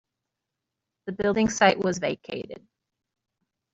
The building site was vacated.